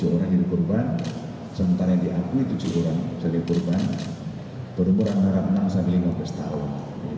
tujuh orang jadi korban sementara diakui tujuh orang jadi korban berumur antara enam sampai lima belas tahun